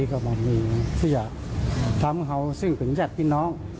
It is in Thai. ของมีพิจารณ์คราวเราซึ่งเป็นแบบพี่น้อง